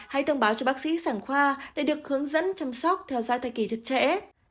hãy thông báo cho bác sĩ sản khoa để được hướng dẫn chăm sóc theo dõi thai kỳ trật trễ